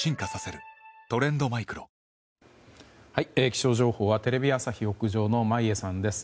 気象情報はテレビ朝日屋上の眞家さんです。